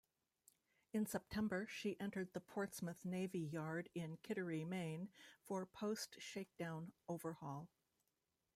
In September, she entered the Portsmouth Navy Yard in Kittery, Maine, for post-shakedown overhaul.